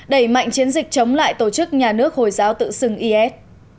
đẩy mạnh chiến dịch chống lại tổ chức nhà nước hồi giáo tự xưng is